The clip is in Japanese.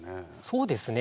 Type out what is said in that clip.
そうですね。